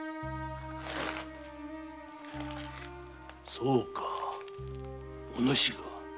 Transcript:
そうかお主が。